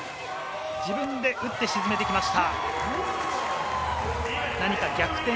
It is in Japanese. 自分で打って、沈めてきた。